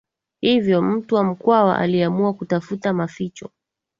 Hivyo mtwa mkwawa aliamua kutafuta maficho